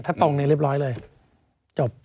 ถ้าตรงนี้เรียบร้อยเลยจบ